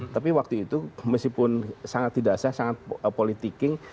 tapi waktu itu meskipun sangat tidak sah sangat politiking